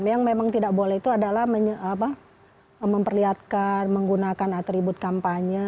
yang memang tidak boleh itu adalah memperlihatkan menggunakan atribut kampanye